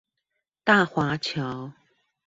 大華橋